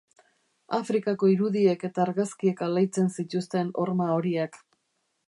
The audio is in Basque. Afrikako irudiek eta argazkiek alaitzen zituzten horma horiak.